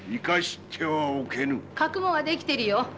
覚悟は出来てるよ。